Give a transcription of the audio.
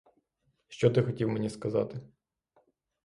Що ти хотів мені сказати?